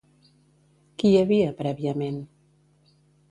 Qui hi havia, prèviament?